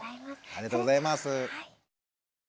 ありがとうございます。